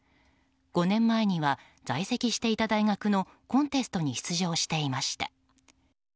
５年前には在籍していた大学のコンテストに出場していました。